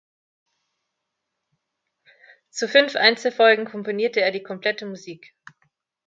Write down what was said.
Zu fünf Einzelfolgen komponierte er die komplette Musik.